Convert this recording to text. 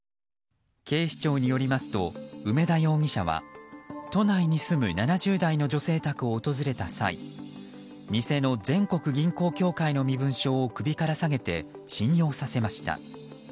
警視庁によりますと梅田容疑者は都内に住む７０代の女性宅を訪れた際偽の全国銀行協会の身分証を首から下げて信用させました。